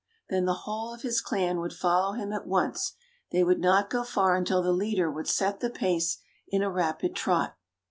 Then the whole of his clan would follow him at once. They would not go far until the leader would set the pace in a rapid trot.